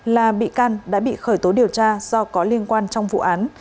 là bị can đã bị khởi tố điều tra do có liên quan trong vụ án